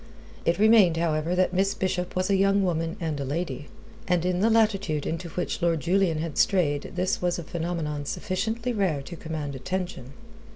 It remained, however, that Miss Bishop was a young woman and a lady; and in the latitude into which Lord Julian had strayed this was a phenomenon sufficiently rare to command attention.